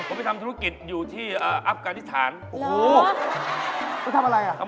ผมไปทำธุรกิจอยู่ที่อัพการณิชสาธารณ์